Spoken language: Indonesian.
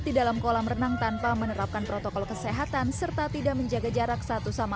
di dalam kolam renang tanpa menerapkan protokol kesehatan serta tidak menjaga jarak satu sama